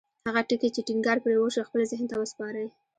هغه ټکي چې ټينګار پرې وشو خپل ذهن ته وسپارئ.